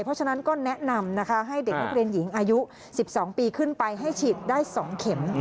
เพราะฉะนั้นก็แนะนำนะคะให้เด็กนักเรียนหญิงอายุ๑๒ปีขึ้นไปให้ฉีดได้๒เข็ม